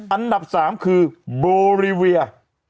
อันดับ๓คือโบรีเวีย